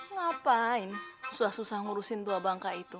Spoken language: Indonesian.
ngapain susah susah ngurusin dua bangka itu